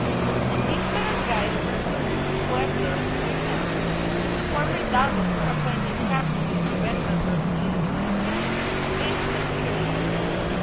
As these barangayes were grouped into pueblos, or towns, the former datos were appointed captains and goberna dorcillos. The Payment of Tribute.